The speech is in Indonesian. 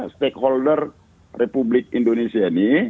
stakeholder republik indonesia ini